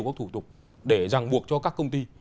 các thủ tục để ràng buộc cho các công ty